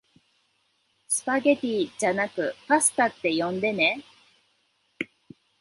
スパゲティじゃなくパスタって呼んでね